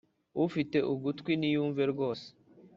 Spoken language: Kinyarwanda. Ufite ugutwi niyumve rwose